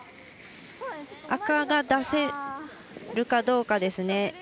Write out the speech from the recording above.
赤が出せるかどうかですね。